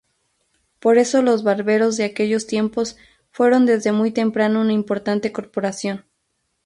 Por eso los barberos de aquellos tiempos fueron desde muy temprano una importante corporación.